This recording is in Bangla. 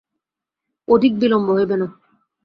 অধিক বিলম্ব হইবে না।